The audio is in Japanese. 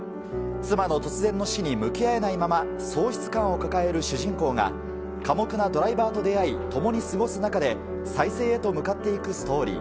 妻の突然の死に向き合えないまま、喪失感を抱える主人公が寡黙なドライバーと出会い、共に過ごす中で、再生へと向かっていくストーリー。